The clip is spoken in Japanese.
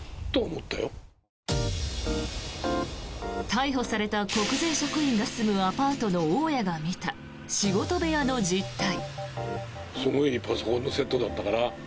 逮捕された国税職員が住むアパートの大家が見た仕事部屋の実態。